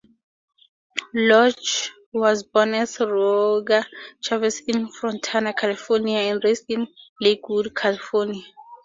Lodge was born as Roger Chavez in Fontana, California and raised in Lakewood, California.